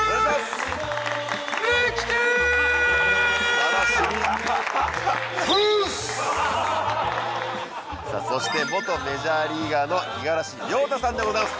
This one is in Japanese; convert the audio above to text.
素晴らしいそして元メジャーリーガーの五十嵐亮太さんでございます